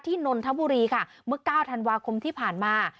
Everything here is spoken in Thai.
นนทบุรีค่ะเมื่อ๙ธันวาคมที่ผ่านมา